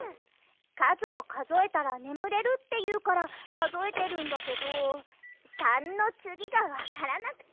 かずをかぞえたらねむれるっていうからかぞえてるんだけど３のつぎがわからなくて。